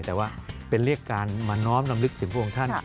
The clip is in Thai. แต่ว่าเป็นเรียกการมาน้อมลำลึกถึงพระองค์ท่าน